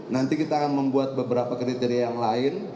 nanti kita akan membuat beberapa kriteria yang lain